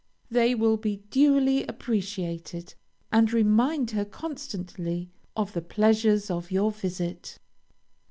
They will be duly appreciated, and remind her constantly of the pleasures of your visit.